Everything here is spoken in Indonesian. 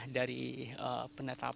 dari penetapan juga yang ada